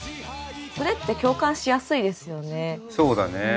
それって共感しやすいですよね。